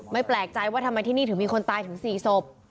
แปลกใจว่าทำไมที่นี่ถึงมีคนตายถึง๔ศพ